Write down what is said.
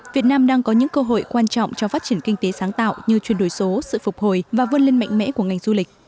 việt nam đang có những cơ hội quan trọng cho phát triển kinh tế sáng tạo như chuyển đổi số sự phục hồi và vươn lên mạnh mẽ của ngành du lịch